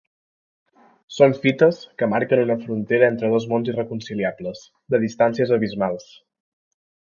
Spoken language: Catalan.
Són fites que marquen una frontera entre dos mons irreconciliables, de distàncies abismals.